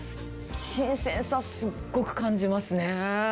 新鮮さ、すっごく感じますね。